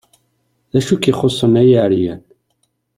D acu i k-ixuṣṣen, ay aɛeryan?